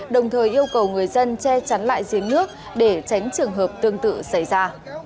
đồng thời yêu cầu người dân che chắn lại giếng nước để tránh trường hợp tương tự xảy ra